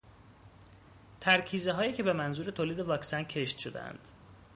ترکیزههایی که به منظور تولید واکسن کشت شدهاند